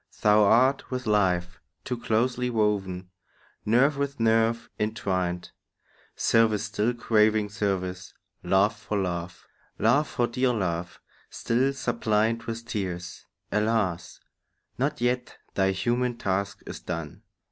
Thou art with life Too closely woven, nerve with nerve intwined; Service still craving service, love for love, Love for dear love, still suppliant with tears. Alas, not yet thy human task is done!